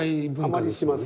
あまりしませんよね。